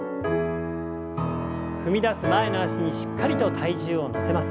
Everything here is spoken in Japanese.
踏み出す前の脚にしっかりと体重を乗せます。